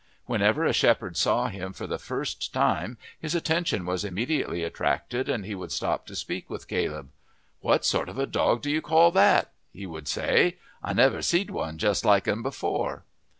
Whenever a shepherd saw him for the first time his attention was immediately attracted, and he would stop to speak with Caleb. "What sort of a dog do you call that?" he would say. "I never see'd one just like 'n before."